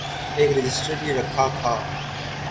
ایک رجسٹر بھی رکھا تھا۔